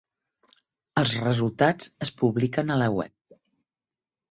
Els resultats es publiquen a la web.